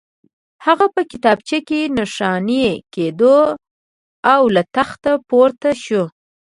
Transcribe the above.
هغه په کتابچه کې نښاني کېښوده او له تخت پورته شو